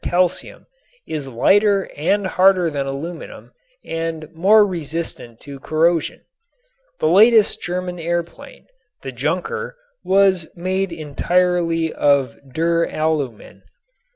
calcium is lighter and harder than aluminum and more resistant to corrosion. The latest German airplane, the "Junker," was made entirely of duralumin.